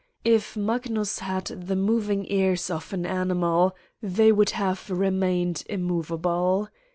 If Magnus had the moving ears of an animal, they would have remained immovable.